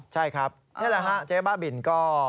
ใช่ครับนี่แหละฮะเจ๊บ้าบินก็